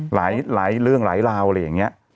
หลายเรื่องหลายราวอะไรอย่างนี้